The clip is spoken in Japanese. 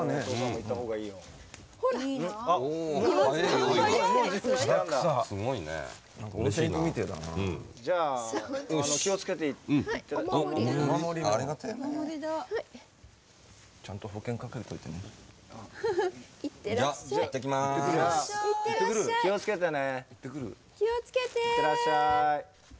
行ってらっしゃい。